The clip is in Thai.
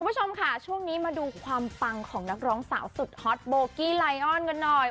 คุณผู้ชมค่ะช่วงนี้มาดูความปังของนักร้องสาวสุดฮอตโบกี้ไลออนกันหน่อย